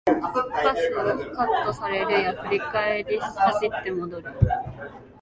パスをカットされるや振り返り走って戻る